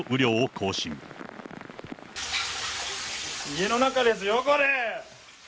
家の中ですよ、これ！